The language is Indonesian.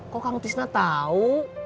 kok kamu tisna tau